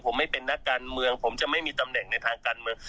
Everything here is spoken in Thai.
ผมไม่เป็นนักการเมืองผมจะไม่มีตำแหน่งในทางการเมือง